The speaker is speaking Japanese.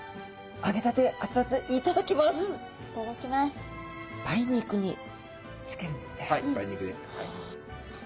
はい梅肉ではい。